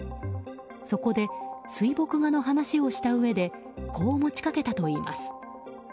そこで、水墨画の話をしたうえでこう持ち掛けたといいます。